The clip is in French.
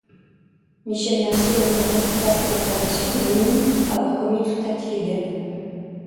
Michel Mercier ne conteste pas ces informations, mais nie avoir commis tout acte illégal.